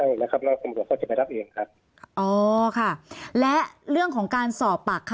อันนี้จะเอาเป็นใบไม่ได้ให้งั้นถาวโรงพยาบาล